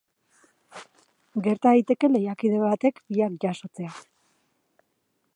Gerta daiteke lehiakide batek biak jasotzea.